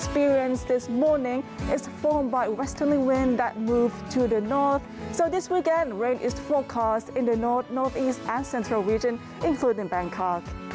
ภาคอีสานและภาคตะวันออกค่ะ